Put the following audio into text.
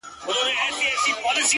د غلا خبري پټي ساتي؛